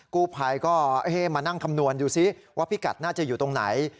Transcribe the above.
กู้ภัยก็มานั่งคำนวณดูซิว่าพิกัดน่าจะอยู่ตรงไหน